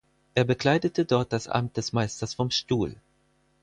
Er bekleidete dort das Amt des Meisters vom Stuhl.